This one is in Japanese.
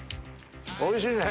おいしいね。